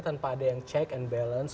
tanpa ada yang check and balance